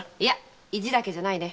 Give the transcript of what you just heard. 意地だけじゃないね。